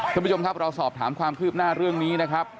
ท่านผู้ชมครับเราสอบถามความคืบหน้าเรื่องนี้นะครับ